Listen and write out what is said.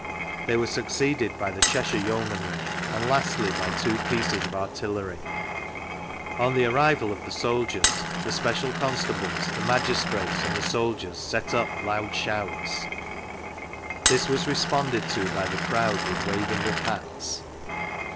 They were sucoeeded by the Cheshire Yeomanry, and lastly by two pieces of artillery. On the arrival of the soldiers, the special con stables, the magistrates, and the soldiers set up NGoogle 68 THREE ACCOUNTS OF PETERLOO loud shouts. This was responded to by the crowd with waving of hats.